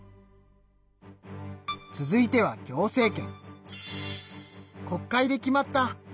続いては行政権。